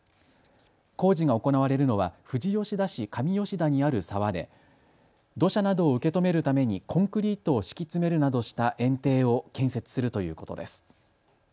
工事が行われるのは富士吉田市上吉田にある沢で土砂などを受け止めるためにコンクリートを敷き詰めるなどしたえん堤を建設するということです。